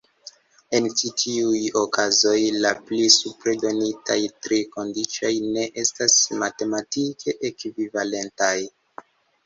En ĉi tiuj okazoj, la pli supre donitaj tri kondiĉoj ne estas matematike ekvivalentaj.